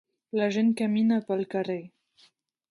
La gent camina pel carrer